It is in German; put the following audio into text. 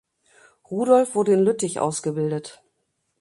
Rudolf wurde in Lüttich ausgebildet.